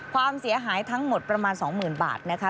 ครับ